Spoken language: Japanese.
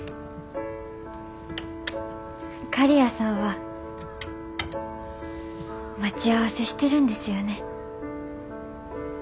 刈谷さんは待ち合わせしてるんですよね。